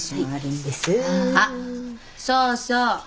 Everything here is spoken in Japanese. あっそうそう。